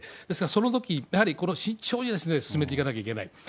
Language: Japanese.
ですから、そのとき、やはり慎重に進めていかなきゃいけない。